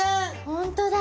本当だ！